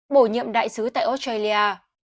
bổ nhiệm đại sứ tại australia